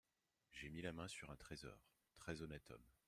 J’ai mis la main sur un trésor… très honnête homme…